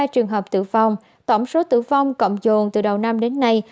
bảy mươi ba trường hợp tử vong tổng số tử vong cộng dồn từ đầu năm đến nay